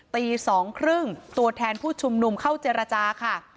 ตี๒๓๐ตัวแทนผู้ชุมนุมเข้าเจรจาค่ะ